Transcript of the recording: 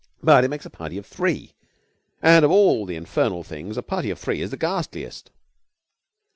'But it makes the party three. And of all the infernal things a party of three is the ghastliest.'